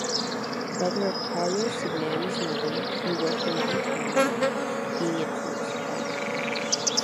Brother of Carlo Cignani’s mother, he worked a long time with him, being influenced by him.